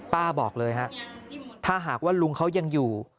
บอกเลยฮะถ้าหากว่าลุงเขายังอยู่